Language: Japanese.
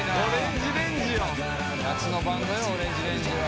夏のバンドよＯＲＡＮＧＥＲＡＮＧＥは。